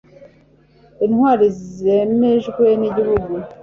intwari zemejwe n'igihugu